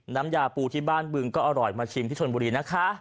น้ำยาปูที่บ้านบึงก็อร่อยมาชิมที่ชนบุรีนะคะ